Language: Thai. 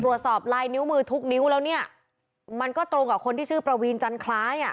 ตรวจสอบลายนิ้วมือทุกนิ้วแล้วเนี่ยมันก็ตรงกับคนที่ชื่อประวีนจันคล้ายอ่ะ